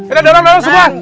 udah dorong dulu semua